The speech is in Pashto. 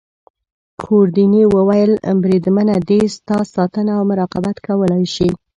ګوردیني وویل: بریدمنه دی ستا ساتنه او مراقبت کولای شي.